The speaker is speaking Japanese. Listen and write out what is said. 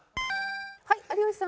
はい有吉さん。